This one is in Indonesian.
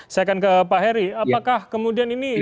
saya akan ke pak heri apakah kemudian ini